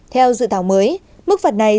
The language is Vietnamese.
theo sự thảo mới mức phạt này